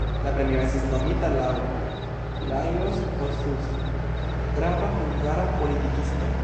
La premio estis nomita laŭ Lajos Kossuth, grava hungara politikisto.